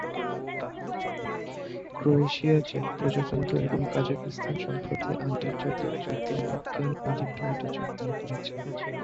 Croatia, চেক প্রজাতন্ত্র এবং কাজাখস্তান সম্প্রতি আন্তর্জাতিক জ্যোতির্বিজ্ঞান অলিম্পিয়াডে যোগদান করেছে।